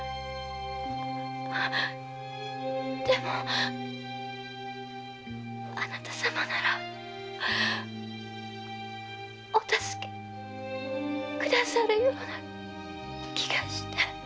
でもあなた様ならお助けくださるような気がして。